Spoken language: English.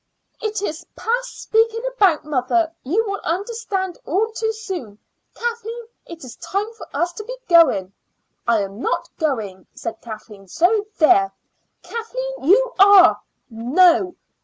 "It is past speaking about, mother. You will understand all too soon. Kathleen, it is time for us to be going." "I am not going," said Kathleen, "so there!" "Kathleen, you are." "No."